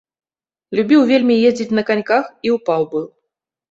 Любіў вельмі ездзіць на каньках і ўпаў быў.